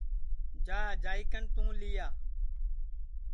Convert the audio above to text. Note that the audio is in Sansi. جا جائی کن توں لیا